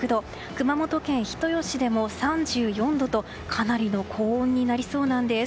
熊本県人吉でも３４度とかなりの高温になりそうなんです。